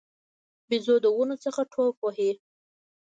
بیزو د ونو څخه ټوپ وهي.